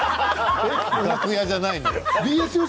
楽屋じゃないの。